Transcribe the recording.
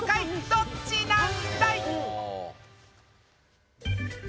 どっちなんだい！